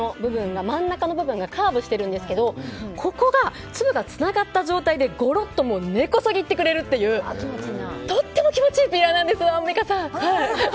真ん中の部分がカーブしてるんですけどここが粒がつながった状態でゴロッと根こそぎいってくれるというとっても気持ちいいピーラーなんです。